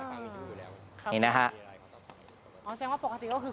ครับค่ะมีที่อยู่แล้วมีที่อยู่แล้วมีที่อยู่แล้วมีที่อยู่แล้วมีที่อยู่แล้ว